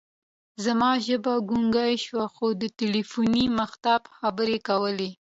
زما ژبه ګونګۍ شوه، خو تلیفوني مخاطب خبرې کولې.